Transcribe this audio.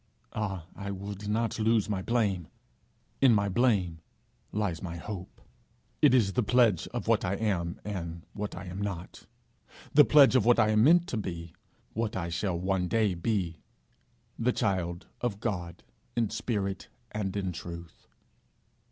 Ah, I would not lose my blame! in my blame lies my hope. It is the pledge of what I am, and what I am not; the pledge of what I am meant to be, what I shall one day be, the child of God in spirit and in truth.'